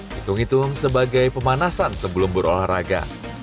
hitung hitung sebagai pemanasan sebelum berolahraga